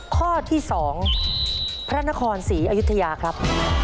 ข้อที่๒พระนครศรีอยุธยาครับ